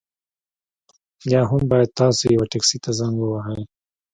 یا هم باید تاسو یوه ټکسي ته زنګ ووهئ